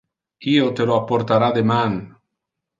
Io te lo apportara deman.